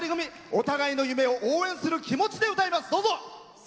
お互いの夢を応援する気持ちで歌います。